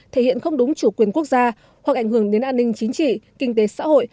thể hiện không đúng chủ quyền quốc gia hoặc ảnh hưởng đến an ninh chính trị kinh tế xã hội